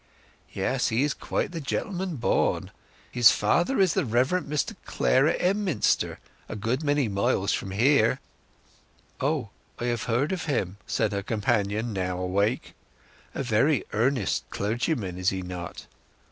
Yes, he is quite the gentleman born. His father is the Reverend Mr Clare at Emminster—a good many miles from here." "Oh—I have heard of him," said her companion, now awake. "A very earnest clergyman, is he not?"